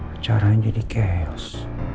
acaranya jadi chaos